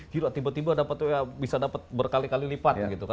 gila tiba tiba bisa dapat berkali kali lipat